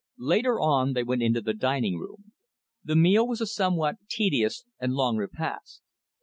Later on, they went into the dining room. The meal was a somewhat tedious and long repast.